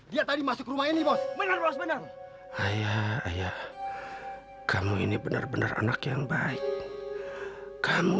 dia tadi masuk rumah ini bos benar bos benar ayah ayah kamu ini benar benar anak yang baik kamu